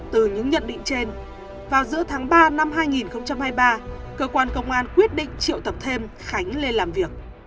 từ những nhận định trên vào giữa tháng ba năm hai nghìn hai mươi ba cơ quan công an quyết định triệu tập thêm khánh lên làm việc